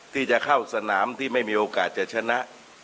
ที่จะเข้าสนามที่ไม่มีโอกาสจะชนะ